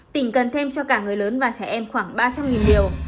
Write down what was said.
tình cần thêm cho cả người lớn và trẻ em khoảng ba trăm linh liều